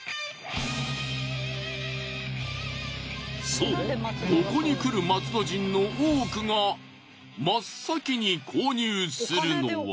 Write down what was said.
そうここに来る松戸人の多くが真っ先に購入するのは。